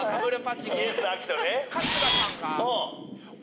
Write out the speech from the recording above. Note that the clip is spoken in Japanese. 春日さんが？